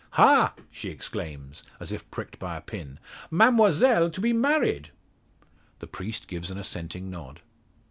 "Ha!" she exclaims, as if pricked by a pin, "Mademoiselle to be married?" The priest gives an assenting nod.